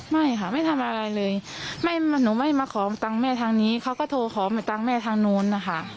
ไม่ค่ะไม่ทำอะไรเลยไม่หนูไม่มาขอตังค์แม่ทางนี้เขาก็โทรขอตังค์แม่ทางนู้นนะคะ